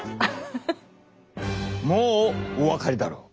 もうお分かりだろう。